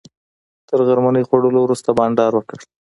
تر غرمنۍ خوړلو وروسته بانډار وکړ.